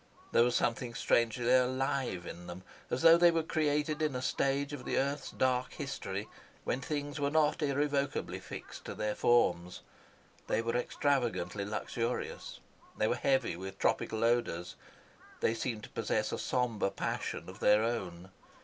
There was something strangely alive in them, as though they were created in a stage of the earth's dark history when things were not irrevocably fixed to their forms. They were extravagantly luxurious. They were heavy with tropical odours. They seemed to possess a sombre passion of their own.